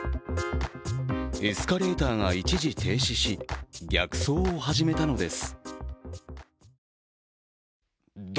エスカレーターが一時停止し逆走を始めたのです。